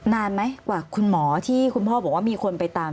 นานไหมกว่าคุณหมอที่คุณพ่อบอกว่ามีคนไปตาม